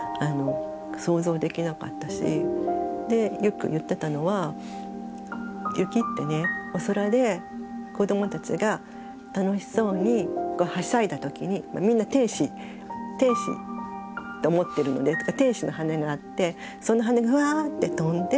でよく言ってたのは雪ってねお空で子どもたちが楽しそうにはしゃいだときにみんな天使天使と思ってるので天使の羽があってその羽がふわって飛んで。